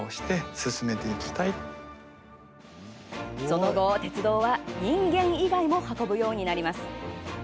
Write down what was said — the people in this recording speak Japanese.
その後、鉄道は人間以外も運ぶようになります。